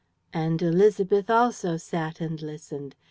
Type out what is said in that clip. And Élisabeth also sat and listened.